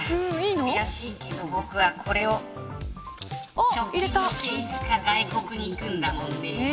悔しいけど僕はこれを貯金していつか外国に行くんだもんね。